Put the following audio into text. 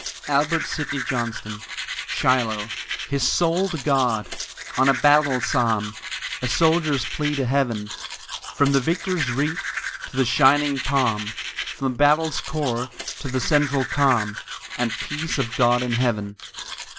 ALBERT SIDNEY JOHNSTON SHILOH His soul to God! on a battle psalm! A soldier's plea to Heaven! From the victor wreath to the shining Palm; From the battle's core to the central calm, And peace of God in Heaven.